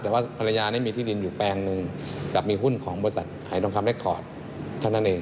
แต่ว่าภรรยานี่มีที่ดินอยู่แปลงหนึ่งกับมีหุ้นของบริษัทหายทองคำเล็กคอร์ดเท่านั้นเอง